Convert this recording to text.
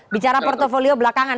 bicara portfolio belakangan